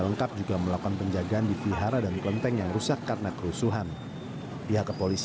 penanganan pendidikan penanganan hukum kejorak